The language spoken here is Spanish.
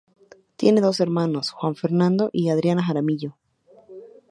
Tiene dos hermanos, Juan Fernando y Adriana Jaramillo.